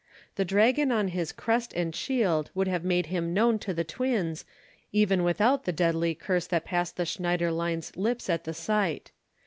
The dragon on his crest and shield would have made him known to the twins, even without the deadly curse that passed the Schneiderlein's lips at the sight.